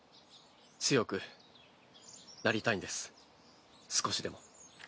強くなりたいんです少しでも。